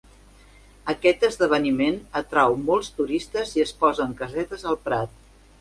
Aquest esdeveniment atrau molts turistes i es posen casetes al prat.